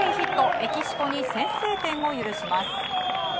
メキシコに先制点を許します。